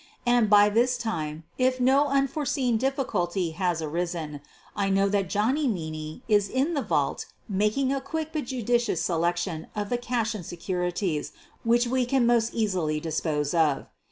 And, by this time, if no unforeseen difficulty has arisen, I know that Johnny Meaney is in the vault making a quick but judicious selection of the cash and securities which we can most easily dispose of.